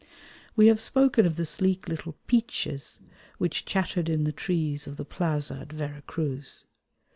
We have spoken of the sleek little piches which chattered in the trees of the plaza at Vera Cruz.